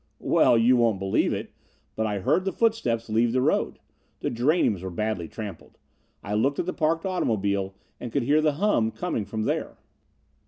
"Well, you won't believe it, but I heard the footsteps leave the road. The geraniums were badly trampled. I looked at the parked automobile and could hear the hum coming from there.